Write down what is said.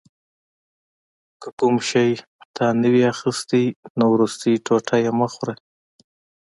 که کوم شی تا نه وي اخیستی نو وروستی ټوټه یې مه خوره.